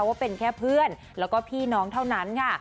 ว่าเป็นแค่เพื่อนแล้วก็พี่น้องเท่านั้นค่ะ